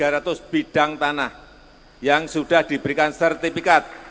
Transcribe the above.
tiga ratus bidang tanah yang sudah diberikan sertifikat